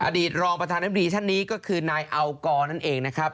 อดีตรองประธานน้ำดีท่านนี้ก็คือนายอัลกรนั่นเองนะครับ